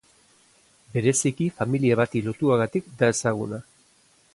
Bereziki familia bati lotuagatik da ezaguna.